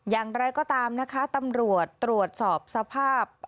อย่างไรก็ตามนะคะตำรวจตรวจสอบสภาพ